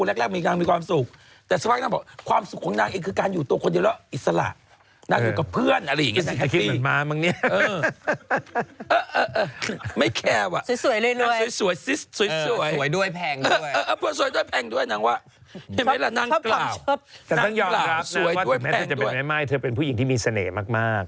ตั้งกลางอยากรักนั้นว่าถึงแม้เธอจะเป็นใหม่เธอเป็นผู้หญิงที่มีเสน่ห์มาก